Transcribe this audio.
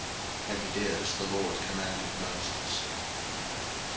And he did as the LORD commanded Moses.